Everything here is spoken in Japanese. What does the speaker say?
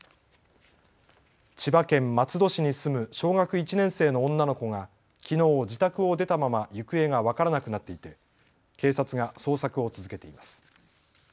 千葉県松戸市に住む小学１年生の女の子がきのう自宅を出たまま行方が分からなくなっていて警察が捜索を続けています。